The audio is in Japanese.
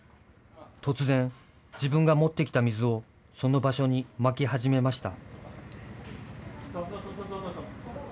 突然、自分が持ってきた水をその場所にまき始めました。